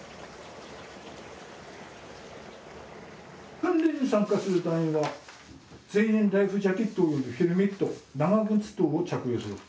訓練に参加する団員は全員ライフジャケットヘルメット長靴等を着用すること。